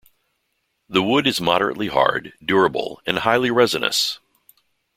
The wood is moderately hard, durable and highly resinous.